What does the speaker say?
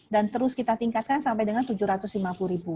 dan terus kita tingkatkan sampai dengan tujuh ratus lima puluh ribu